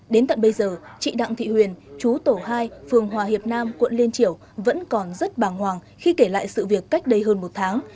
đến tận bây giờ chị đặng thị huyền chú tổ hai phường hòa hiệp nam quận liên triểu vẫn còn rất bàng hoàng khi kể lại sự việc cách đây hơn một tháng